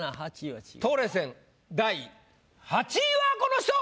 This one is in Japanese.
冬麗戦第８位はこの人！